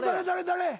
誰？